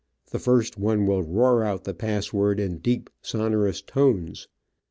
The first one will roar out the password in deep, sonorous tones.